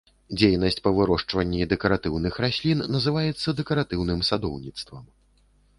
Дзейнасць па вырошчванні дэкаратыўных раслін называецца дэкаратыўным садоўніцтвам.